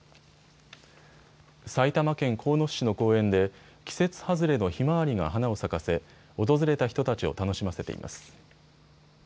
埼玉県鴻巣市の公園で季節外れのひまわりが花を咲かせ訪れた人たちを楽しませています。